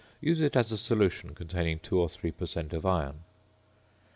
Use it as a solution containing 2 or 3 per cent. of iron.